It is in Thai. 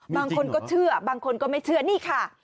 บางคนก็เชื่อบางคนก็ไม่เชื่อนี่ค่ะ